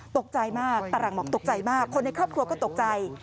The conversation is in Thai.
ตกใจมากตาหลังบอกตกใจมากคนในครอบครัวก็ตกใจ